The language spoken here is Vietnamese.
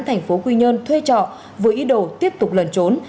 thành phố quy nhơn thuê trọ với ý đồ tiếp tục lần trốn